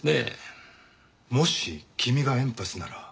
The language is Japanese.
もし君がエンパスなら